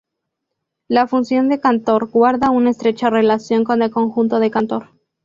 La función de Cantor guarda una estrecha relación con el conjunto de Cantor.